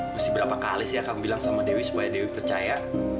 masih berapa kali sih aku bilang sama dewi supaya dia percaya